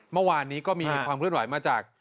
เมื่อวานนี้ก็มีความเคลื่อนไหวมาจาก